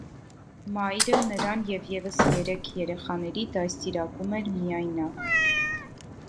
Մայրը նրան և ևս երեք երեխաների դաստիարակում էր միայնակ։